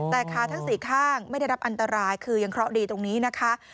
แต่ขาทั้ง๔ข้างไม่ได้รับอันตรายคือยังเคราะห์ดีตรงนี้นะคะ